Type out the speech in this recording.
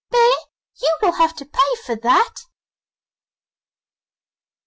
Bear, you will have to pay for that!